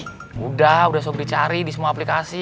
sudah sudah dicari di semua aplikasi